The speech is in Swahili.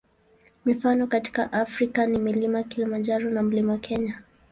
Mifano katika Afrika ni Mlima Kilimanjaro na Mlima Kenya.